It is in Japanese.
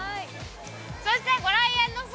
そしてご来園の際